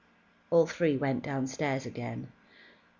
All three went downstairs again.